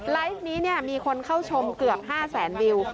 ไลฟ์นี้มีคนเข้าชมเกือบ๕แสนวิว